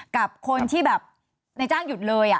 กับคนที่แบบในจ้างหยุดเลย